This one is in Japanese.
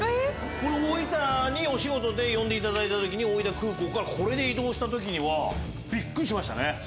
大分にお仕事で呼んでいただいた時に大分空港からこれで移動した時はビックリしましたね。